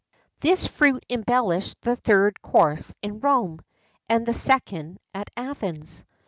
[XII 60] This fruit embellished the third course in Rome, and the second at Athens.